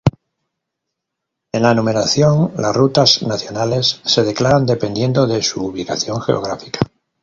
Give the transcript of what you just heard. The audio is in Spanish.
En la numeración, las rutas nacionales se declaran dependiendo de su ubicación geográfica.